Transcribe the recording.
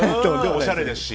おしゃれですし。